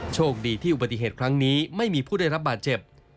โชคดีที่อุบัติเหตุครั้งนี้ไม่มีผู้ได้รับบาดเจ็บ